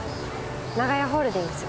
長屋ホールディングス。